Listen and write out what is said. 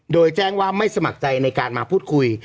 โดยแจ้งว่าไม่สมัครใจในการมาพูดคุย